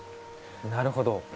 なるほど。